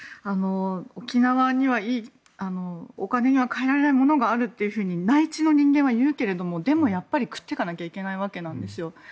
沖縄にはお金には代えられないものがあるって内地の人間は言うけれどもでもやっぱり食ってかなきゃいけないわけなんですよ。